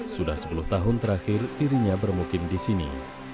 sudah sepuluh tahun terakhir dirinya bermukim di sini